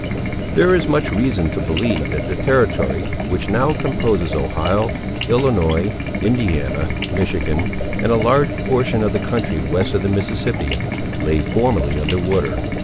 There is much reason to believe, that the territory which now composes Ohio, Illinois, Indiana, Michigan, and a large portion of the country west of the Mississippi, lay formerly under water.